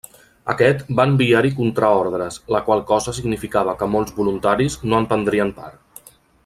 Aquest va enviar-hi contraordres, la qual cosa significava que molts Voluntaris no en prendrien part.